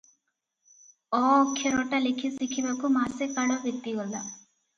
ଅ ଅକ୍ଷରଟା ଲେଖି ଶିଖିବାକୁ ମାସେ କାଳ ବିତିଗଲା ।